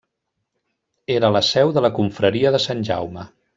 Era la seu de la confraria de Sant Jaume.